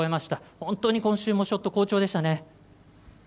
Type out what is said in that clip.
本当に今週もショット好調でしたね。